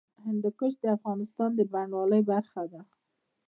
هندوکش د افغانستان د بڼوالۍ برخه ده.